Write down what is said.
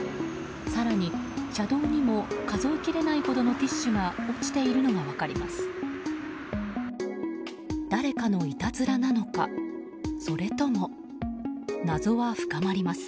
更に車道にも数えきれないほどのティッシュが落ちているのが分かります。